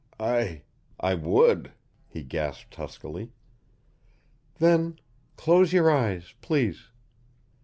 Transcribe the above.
"I I would," he gasped huskily. "Then close your eyes, please."